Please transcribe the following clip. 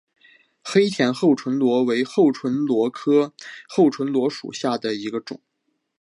黑田厚唇螺为厚唇螺科厚唇螺属下的一个种。